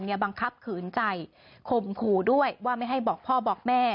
บังคับขืนใจข่มขู่ด้วยว่าไม่ให้บอกพ่อบอกแม่